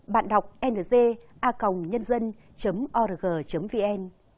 bạn đọc ng a nhân dân org vn